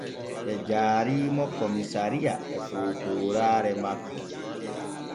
Ɓe jaari mo komisariya e poopooraare makko.